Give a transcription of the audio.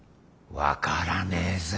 分からねえぜ。